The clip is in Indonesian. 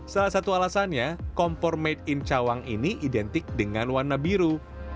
salah satu alasannya kompor made in cawang ini identik dengan warna biru